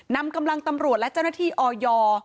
นำกำลังตำรวจและเจ้าหน้าที่ออย